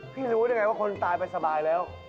รู้ได้ไงว่าคนตายไปสบายแล้ว